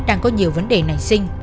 đang có nhiều vấn đề nảy sinh